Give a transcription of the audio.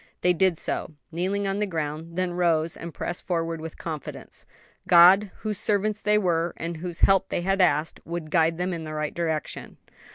They did so, kneeling on the ground; then rose and pressed forward with confidence. God, whose servants they were and whose help they had asked, would guide them in the right direction.